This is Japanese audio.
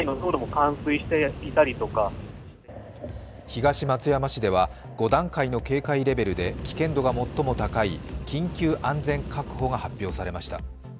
東松山市では５段階の警戒レベルで危険度が最も高い緊急安全確保が発表されました。